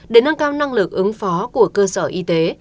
để nâng cao năng lực ứng phó của cơ sở y tế